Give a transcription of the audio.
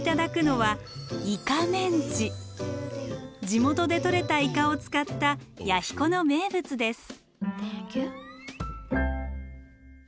地元でとれたイカを使った弥彦の名物です。